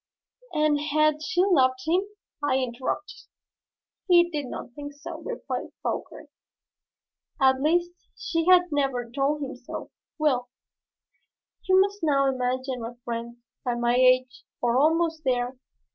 '" "And had she loved him?" I interrupted. "He did not think so," replied Fauchery. "At least she had never told him so. Well, you must now imagine my friend at my age or almost there.